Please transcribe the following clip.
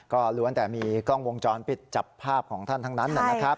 ก็ล้วนแต่มีกล้องวงจรไปจับภาพของท่านทั้งนั้น